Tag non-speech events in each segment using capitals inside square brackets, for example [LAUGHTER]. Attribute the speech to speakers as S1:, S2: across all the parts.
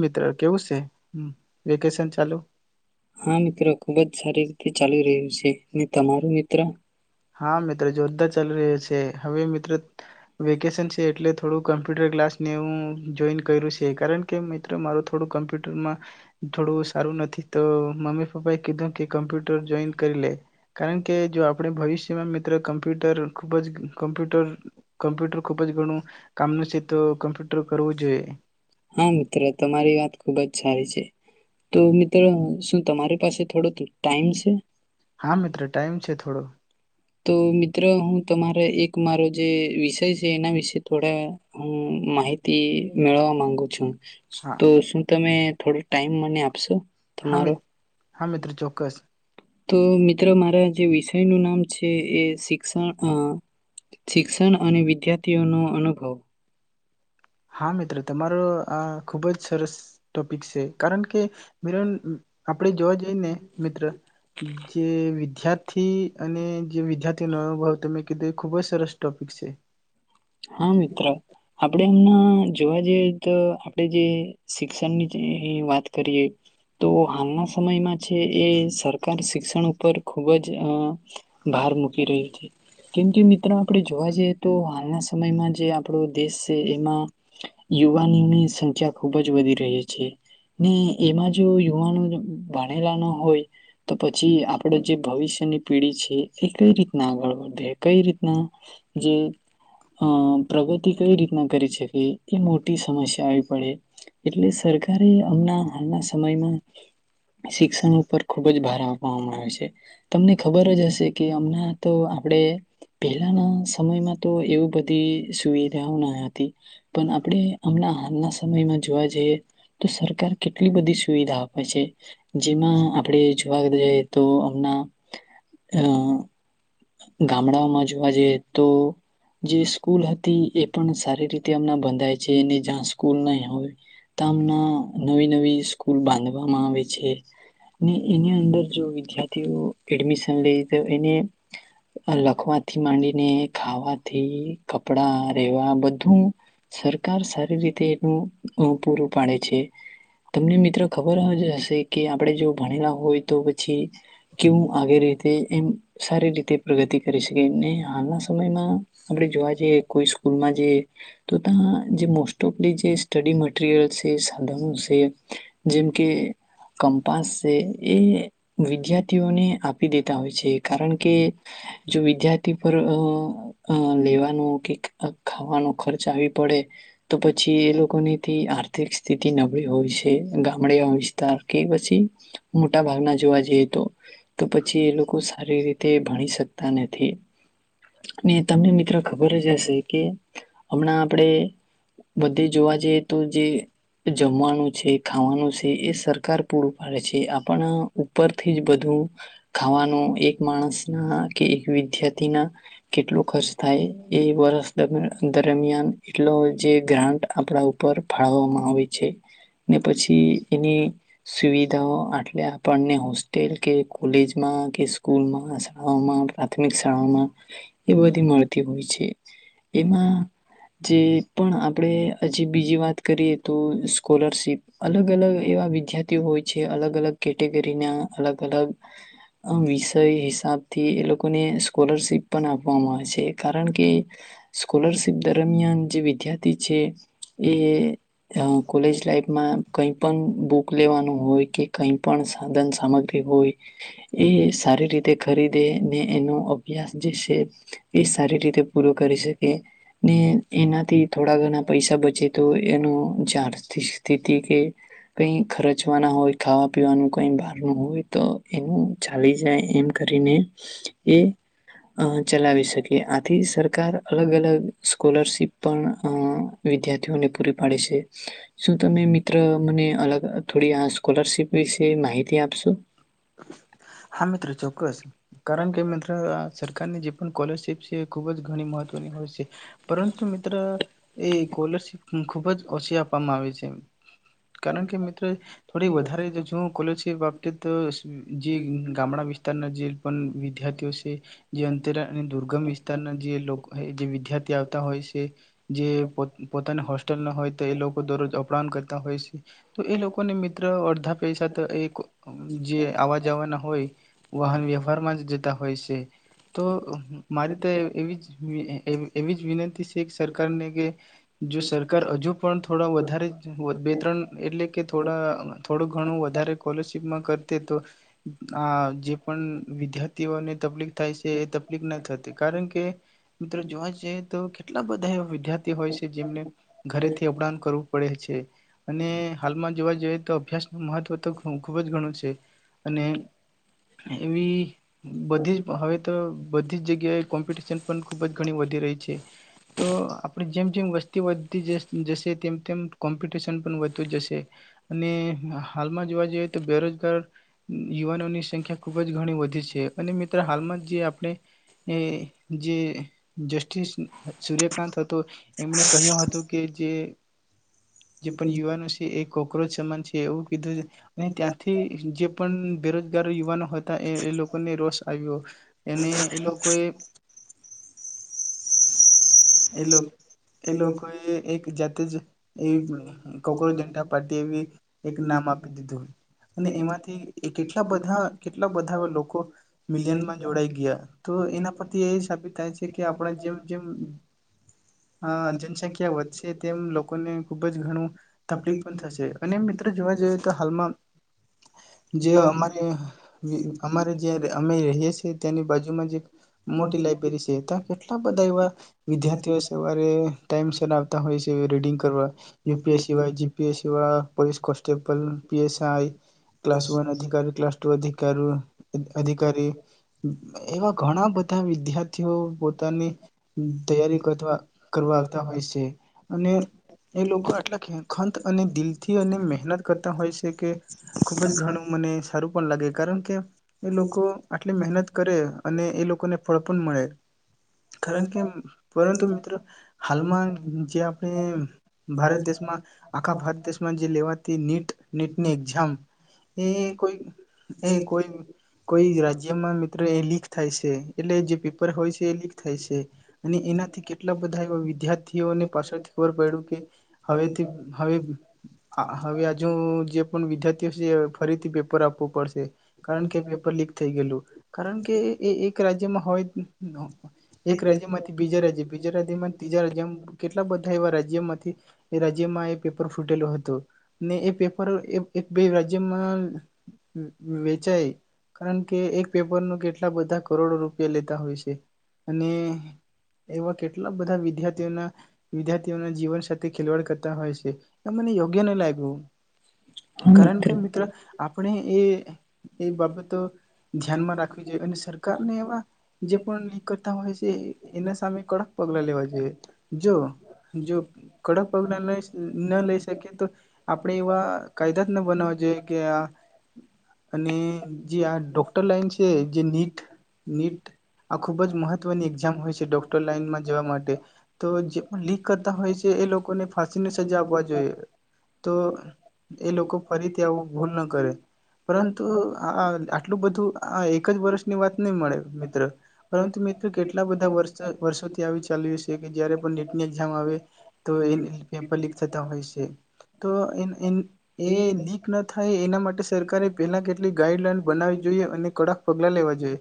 S1: મિત્ર કેવું છે હ વેકેશન ચાલુ
S2: તે ચાલી રહ્યું છે ને તમારું મિત્રો?
S1: હા મિત્ર જો ચાલ રહ્યો છે હવે મિત્ર વેકેશન છે એટલે થોડુંક કમ્પ્યુટર ક્લાસ ને હું જોઈન કયરૂ સે, કારણ કે મિત્રો મારું થોડું કમ્પ્યુટરમાં થોડું સારું નથી. તો મમ્મી-પપ્પાએ કીધો કે કમ્પ્યુટર જોઈન કરી લે. કારણ કે જો આપણે ભવિષ તેમાં મિત્ર કમ્પ્યુટર ખુબ જ કમ્પ્યુટર કમ્પ્યુટર ખુબ જ ઘણું કામનું છે તો કમ્પ્યુટર કરવું જોઈએ.
S2: હા મિત્ર તમારી વાત ખુબ જ સારી છે. તો મિત્રો શું તમારી પાસે થોડો ટાઈમ છે?
S1: હા મિત્ર ટાઈમ છે થોડો.
S2: તો મિત્ર હું તમા એક મારો જે વિષય છે એના વિશે થોડા હ માહિત તી મેળવવા માંગુ છું, તો શું તમે થોડો ટાઈમ મને આપશો તમારો? તો મિત્ર મારા જે વિશ એનું નામ છે એ શિક્ષણ અ શિક્ષણ અને વિદ્યાર્થીઓનો અનુભવ.
S1: હા મિત્ર તમારો આ ખુબ જ સરસ ટોપિક સે કારણ કે આપણેે જોવા જઈ ને મિત્ર જે વિદ્યાર્થી દ્યાર્થી અને જે વિદ્યાર્થીઓનો અનુભવ તમે કીધો એ ખુબ જ સરસ ટોપિક છે.
S2: હા મિત્ર આપડે એમના જોવા જઈએ તો આપણે જે શિક્ષણની જે વાત કરીએ તો હાલના સમયમાં છે એ સરકાર શિક્ષણ ઉપર ખૂબ જ અ ભાર મૂકી રહી છે. કેમ કે મિત્ર આપડે જોવા જઈએ તો હાલના સમ મયમાં જે આપડું દેશ શે એમાં યુવાનોની સંખ્યા ખુબ જ વધી રહી છે. ને એમાં જો યુવાનો ભણેલા ના હોય તો પછી આપડ જે ભવિષ્યની પીઢી છે એ કઈ રીતના આગળ વધે? કઈ રીતના જે અ પ્રગતિ કઈ રીતના કરી શકે એ મોટી સમસ્યા આવી પડે એટલે સરકારે હમના હાલના સમયમાં શિક્ષણ ઉપર ખુબ જ ભાર [INAUDIBLE] તમને ખબર જ હશે કે હમણા તો આપણે પહેલાના સમયમાં તો એવું બધું બધી સુવિધાઓ ના હતી પણ આપણે હમણા હાલના સમયમાં જોવા જઈએ તો સરકાર કેટલી બધી સુવિધા આપે છે. જેમાં આપડે જોવા જઈએ તો, ના. અ ગામડાઓમાં જોવા જઈએ તો જે સ્કૂલ હતી એ પણ સારી રીતે અમના બંધાય છે જ્યાં સ્કૂલ નહી હોય ત્યાં આમના નવી નવી સ્કૂલ બાંધવામાં આવે છે ને એની અંદર જો વિદ્યાર્થીઓ એડમિશન લઈ તો એને લખવાથી માંડીને ખાવાથી કપડા રહેેવા બધું સરકાર સારી રીતે એનું પૂરું પાડે છે તમને મિત્ર ખબર જ હશે કે આપણેે જો ભણેલા હોય તો પછી કેવું આગે રીતે એમ સારી રીતે પ્રગતિ કરી શકેને હાલ તમે ના આપણે જોવા કે કોઈ સ્કૂલમાં જે, તો ત્યા જે મોસ્ટ ઓફલી જે સ્ટડી મટીરીયલ્સ જે. [UNINTELLIGIBLE] જેમ કે કંપાસ છે એ વિદ્યાર્થીઓને આપી દે. હોય છે કારણ કે જો વિદ્યાર્થી [INAUDIBLE] હ લેવા કોક એક ખાવાનો ખર્ચ આવી પડે તો પછી એ લોકો નીથી આર્થિક સ્થિતિ નબળી હોય ગામડેમાં વિસ્તાર કે પછી મોટા ભાગના જોવા જઈએ તો તો પછી એ લોકો સારી રીતે ભણી શકતા નથી અને તમને મિત્રો ખબર જ હશે કે હમણાં આપણેે બધે જોવા જઈએ તો જે જમવાનું છે, ખાવાનું છે, એ સરકાર પૂરું પાડે છે, આપણ ઉપરથી જ બધું ખાવાનું એક માણસના કે એક વિદ્યાર્થીના કેટલો ખર્ચ થાય વર્ષ દરમિયાન એટલો જે ગ્રાન્ટ આપડા ઉપર ફાળવવામાં આવે છે. ને પછી એની સુવિધાઓ આટલે આપણને હોસ્ટેલ કે કોલેજમાં કે સ્કૂલમાં શાળાઓમાં પ્રાથમિક શાળાઓમાં એ બધી મળતી હોય છે. એ જે પણ આપણેે હજી બીજી વાત કરીએ તો સ્કોલરશીપ અલગ અલગ એવા વિદ્યાર્થીઓ હોય છે અલગ અલગ કેટે વે ના અલગ અલગ અ વિષય હિસાબ થી એ લોકોને સ્કોલરશિપ પણ આપવામાં આવે છે. કે સ્કોલરશીપ દરમિયાન દેવ વિજ્ઞાન પછે એ કોલેજ લાઈફમાં કઈ પણ બુક લેવાનું હોય કે કઈ પણ સાધન સામગ્રી હોય એ સારી રીતે ખરીદે ને એનો પજ જેશે એ સારી રીતે કરી લે કે ને એનાથી થોડા ઘણા પૈસા બચે તો એનું જે આર્થિક સ્થિતિ કે કંઈ ખર્ચ હોય ખાવા પીવાનું કઈ બહાર ન હોય તો એનું ચાલી જાય એમ કરીને એ ચલાવી શકે આથી સર સર અલગ અલગ સ્કોલરશીપ પણ વિદ્યાર્થીઓને પૂરી પાડે છે શું તમે મિત્ર મને અલગ થોડી આ સ્કોલરશીપ વિશે માહિતી આપશો?
S1: હા મિત્ર ચોક્કસ કારણ કે મિત્ર આ સરકારની જે પણ કોલરશિપ છે એ ખૂબ જ ઘણી મહત્ત્વની હોય છે. પરંતુ મિત્ર એ કોલરશીપ ખુબ જ ઓછી આપવામાં આવી છે. કારણ કે મિત્ર થોડી વધારે જો જો કોલેજ [UNINTELLIGIBLE] તોસ જે ગામડા વિસ ત્યાં ના જે પણ વિદ્યાર્થીઓ સે જે અંતરા અને દુર્ગમ વિસ્તારના જે લો હોય જે વિદ્યાર્થીઓ આવતા હોય સે જે પો પોતાને હો ટલમાં હોય તો એ લોકો દરરોજ અપરાન કરતા હોય છે. તો એ લોકોને મિત્ર અડધા પૈસા તો એક જે આવવા જવાના હોય, વાહન વ્યવહારમાં જ જતા હોય છે, તો મારી તો એવી જ એ એ એવી જ વિનંતી તી સરકારને કે જો સરકાર હજુ પણ થોડા વધારે બે ત્રણ એટલે કે થોડા થોડું ઘણું વધારે કોલેજ [UNINTELLIGIBLE] કરતે તો આ જે પણ વિદ્યાર્થીઓને તફલીક થાય છે એ તકલીફ ના થતી કારણ કે મિત્રો જોવા જઈએ તો એટલા બધા વિદ્યા તી હોય છે જેમને, ઘરેથી અપડાન કરવું પડે છે, અને હાલમાં જોવા જઈ તો અભ્યાસ નુ મહત્વ તો ખુ ખુબ જ ગણું છે. અને એવી બધી જ હવે તો બધ બધી જગ્યાએ કોમ્પિટિશન પણ ખૂબ જ ઘણી વધી રહી છે. તો આપડે જેમ જેમ વસ્તી વધતી જ જશે તેમ તેમ કોમ્પિટિશન પણ વધતું જશે, અને હાલમાં જોવા જઈએ તો બેરોજગાર યુવાનોની સંખ્યા ખુબ જ ઘણી વધી છે. અને મિત્ર હાલમાં જે આપણે એ જે જસ્ટિસ સૂર્યકાંત હતો, એમણે કહ્યું હતું કે જે જે પણ યુવાનો છે એ કોકરોચ સમાન છે એવું કીધું છે, અને ત્યાંથી જે પણ બેરોજગાર યુવાનો હતા એ એ લોકોને રોષ આવ્યો, એને એ લોકોએ એ લોક એ લોકોએ એક જાતે જ એ કોકરોચ જનતા પાર્ટી એવી એક નામ આપી દીધું, અને એમાંથી કેટલા એ બધા કેટલા બધા લોકો મિલિયનમાં જોડાઈ ગયા, તો એના પરથી એ સાબિત થાય છે કે આપણા જેમ જેમ હા જનસંખ્યા વધશે તેમ લોકોને ખુબ જ ઘણું તકલીફ પણ થશે, અને મિત્ર જોવા જઈએ તો હાલમાં જે અમારે અમારે જ્યાં અમે રહીએ છે તેની બાજુમાં જે મોટી લાયબ્રેરી છે, તા કેટલા બધા એવા વિદ્યાર્થીઓ સવારે ટાઈમ સર આવતા હોય છે રીડિંગ કરવા, યુ પી એસ સી વા, જી પી એસ સી વાળા, police constable, P S I, class one અધિકારીઓ, ક્લાસ ટુ અધિકાર અધિકારી એવા ઘણા બધા વિધ્યા ર્થીઓ પોતાની તૈયારી કતવા કરવા આવતા હોય છે, અને એ લોકો આટલા ખ ખંત અને દિલથી અને મહેનત કરતા હોય છે કે ખૂબ જ ઘણું મને સારું પણ લાગે કારણ કે એ લોકો આટલી મહેનત કરે અને એ લોકોને ફળ પન મળે. કારણ કે પરંતુ મિત્રો, હાલમાં જે આપણે ભારત દેશમાં આખા ભારત દેશમાં જે લેવાતી નીટ, નીટની એક્ઝામ એ કોઈ એ કોઈ કોઈ રાજ્યમાં મિત્રો એ લીક થાય છે એટલે જે પેપર હોય છે એ લીક થાય છે. અને એનાથી કેટલા બધા એવા વિદ્યાર્થીઓને પાછળથી ખબર પઇડુ કે હવેથી હવે આ હવે અજુ જે પણ વિદ્યાર્થીઓ સે ફરીથી પેપર આપવો પડસે કારણ કે પેપર લીક થઈ ગેલું કારણ કે એ એક રાજ્યમાં હોય એક રાજ્ય મત બીજા રાજ્ય, બીજા રાજ્યમાં ત્રીજા રાજ્યમ કેટલા બધા એવા રાજ્યમાંથી એ રાજ્યમાં એ પેપર ફૂટેલુ હતું ને એ પેપર એ એક બે રાજ્યમાં વ-વેચાય કારણ કે એક પેપરનુ કેટલા બધા કરોડો રૂપિયા લેતા હોય છે અને એવા કેટલા બધા વિદ્યાર્થીઓના વિદ્યાર્થીઓના જીવન સાથે ખેલવાડ કરતા હોય છે. આ મને યોગ્ય ન લાઇગુ. કારણ કે મિત્ર આપણે એ એ બાબતો ધ્યાનમાં રાખવી જોઈ અને સરકારને એવા જે પણ લીક કરતા હોય છે એના સામે કડક પગલા લેવા જોઈએ. જો જો કડક પગલા લેસ, ન લઈ સકે તો આપડે એવા કાયદા જ ન બનાવા જોઈએ કે આ અને જે આ ડોક્ટર લાઈન છે જે નીટ નીટ આ ખુબજ મહત્વની એક્ઝામ હોય છે ડોક્ટર લાઈનમાં જવા માટે તો જે પણ લીક કરતા હોય છે એ લોકોને ફાંસીને સજા આપવા જોઈએ તો એ લોકો ફરીથી આવું ભૂલ ન કરે પરંતુ આ આટલું બધું આ એક જ વર્ષની વાત નહી મળે મિત્ર પરંતુ મિત્ર કેટલા બધા વર્ષ વર્ષોથી આવી ચાલ્યું છે કે જયારે પણ નીટની એઝામ આવે તો એ પેપર લીક થતા હોય છે તો એન એ નીક થય એના માટે સરકારે પેલા કેટલી ગાઈડલાઈન બનાવી જોઈએ અને કડક પગલા લેવા જોઈએ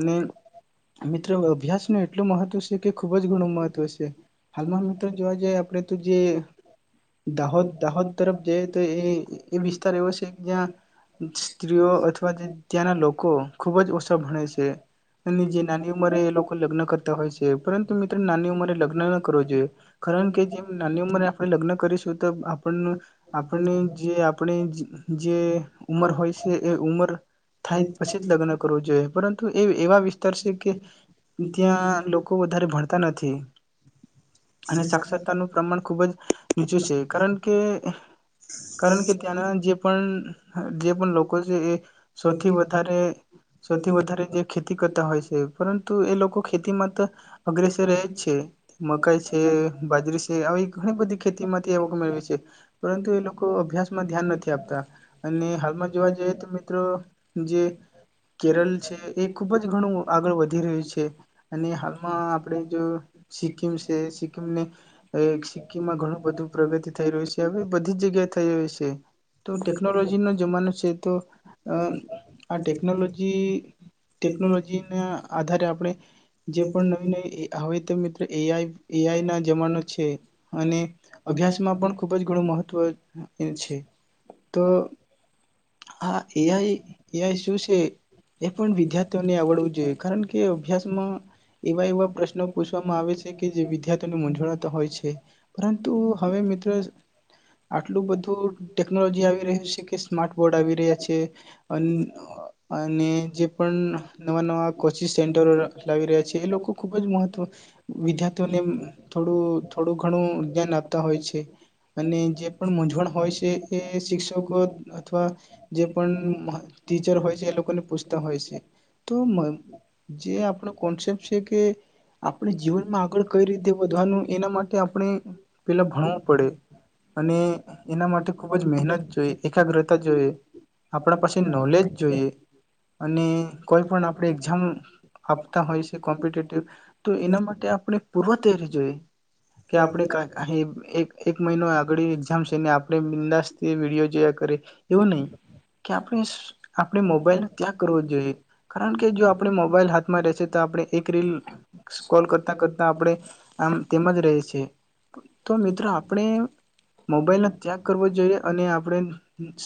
S1: અને મિત્રો અભ્યાસ ન મહત્વ છે કે ખૂબ જ ઘણું મહત્વ સે હાલમાં મિત્રો જોવા જઈ આપણે તો જે દાહોદ દાહોદ તરફ જઈએ તો એ વિસ્તાર એ જ્યાં સ્ત્રીઓ અથવા [UNINTELLIGIBLE] ત્યાંના લોકો ખુબ જ ઓછા ભણે છે અને જે નાની ઉંમરે એ લોકો લગ્ન કર હોય છે. પરંતુ મિત્ર નાની ઉંમરે લગ્ન ન કરવો જોઈએ કારણ કે, જેમ નાની ઉંમરે આપળે લ ગ્ન કરીશું. તો આપણનું આપણને જે આપણે જ જે ઉમર હોય છે, એ ઉમર થાય પછી જ લગ્ન કરવું જોઈએ પરંતુ એ એવા વિસ્તાર છે કે, ત્યાં કો વધારે ભણતા નથી. અને સાક્ષરતાનું પ્રમાણ ખૂબ જ નીચું છે કારણ કે, કારણ કે, ત્યાંના જે પણ હ જે પણ લોકો છે એ સૌથી વધારે સૌથી વધારે જે ખેતી કરતા હોય છે. પરંતુ એ લોકો ખેતીમાં અગ્રેસર એ છે, મકાઈ છે. એ બાજરી છે. આવી ઘણી બધી ખેતી માંથી આવક મેળવે છે. પરંતુ એ લોકો અભ્યાસમાં ધ્યાન નથી આપતા અને હાલમાં જોવા જઈએ તો મિત્રો જે કેરલ છે એ ખુબ જ ઘણું આગળ વધી રહ્યું છે. અને હાલમાં આપણેે જો સિક્કિમ છે, સી અહ એક સિક્કિમમાં ઘણું બધું પ્રગતિ થઈ રહ્યું છે. હવે બધ જગ્યાએ થઈ રેહ છે. તો ટેકનોલોજી નો જમાનો છે, તો અહ આ ટેકનોલોજી ટેકનોલોજી ના આધારે આપણે જે પણ નવી નવી એ હવે તો મિત્ર એ આઈ એ આઈ ના જમાનો છે, અને અભ્યાસમાં પણ ખુબ જ ઘણું મહત્વ [UNINTELLIGIBLE] છે. તો, હા, એ આઈ, એ આઈ શું છે, એ પણ વિદ્યાર્થીઓને આવડવું જોઈએ કારણકે, અભ્યાસમાં એવા એવા પ્રશ્નો પૂછવામાં આવે છે કે જે વિદ્યાર્થીઓને મૂઝવણતા હોય છે, પરંતુ હવે મિત્ર આટલું બધું ટેકનોલોજી આવી રહ્યું છે કે સ્માર્ટ રહ્યા છે, અન અ અને જે પણ ન નવા નવા કોચિંગ સેન્ટરો લાવી રહ્યા એ લોકો ખુબજ મહત્વ, વિદ્યાર્થીઓને થોડું થોડું ઘણું જ્ઞાન આપતા હોય છે અને જે પણ મૂંઝવણ હોય છે, એ શિક્ષકો અ જે પણ મ ટીચર હોય છે, એ લોકોને પૂછતા હોય છે. તો મ જે આપણો કોન્સેપ્ટ છે કે, આપણે જીવનમાં આગળ કઈ રીતે વધવાનું એના માટે આપણે પેલા ભણવું પડે અને એના માટે ખુબજ મહેનત જોય એકા કગ્રતા જોયે, આપળા પાસે નોલેજ જોયે અને કોઈ પણ આપણે એક્જામ આપતા હોય [UNINTELLIGIBLE] તો એના પૂર્વ તયઅરી કે આપણે એક એને આપ એવું નય એક રિલ તો મિત્ર આપણે મોબાઈલનો ત્યાગ કરવો જોઈએ. અને આપણે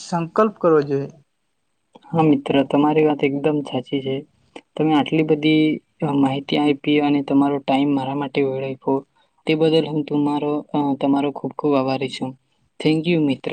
S1: સંકલ્પ કરવો જોઈએ.
S2: જે જે હુ તમારો ખુબ ખુબ આભારી છું. થેન્કયુ મિત્ર.